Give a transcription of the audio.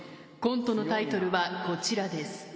コントのタイトルはこちらです。